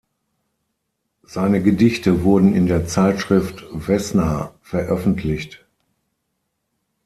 Seine Gedichte wurden in der Zeitschrift "Vesna" veröffentlicht.